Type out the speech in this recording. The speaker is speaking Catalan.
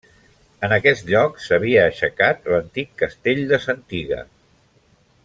En aquest lloc s'havia aixecat l'antic castell de Santiga.